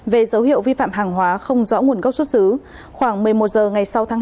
về dấu hiệu vi phạm hàng hóa không rõ nguồn gốc xuất xứ khoảng một mươi một h ngày sáu tháng tám